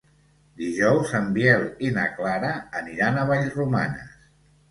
Dijous en Biel i na Clara aniran a Vallromanes.